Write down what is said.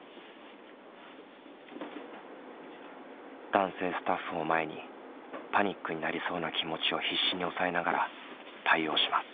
男性スタッフを前にパニックになりそうな気持ちを必死に抑えながら対応します。